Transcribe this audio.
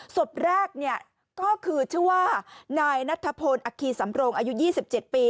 ศพแรกก็คือชื่อว่านายนัทพลอัคคีสำโรงอายุ๒๗ปี